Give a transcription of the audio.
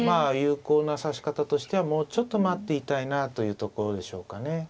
有効な指し方としてはもうちょっと待っていたいなというところでしょうかね。